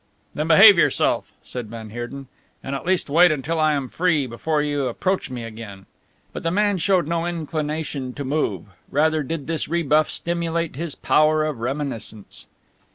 "Then behave yourself," said van Heerden, "and at least wait until I am free before you approach me again." But the man showed no inclination to move; rather did this rebuff stimulate his power of reminiscence.